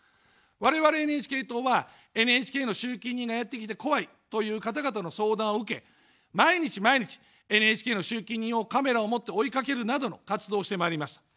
我々ＮＨＫ党は、ＮＨＫの集金人がやって来て怖いという方々の相談を受け、毎日毎日、ＮＨＫの集金人をカメラを持って追いかけるなどの活動をしてまいります。